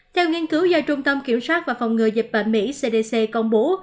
theo nghiên cứu do trung tâm kiểm soát và phòng ngừa dịch bệnh mỹ cdc công bố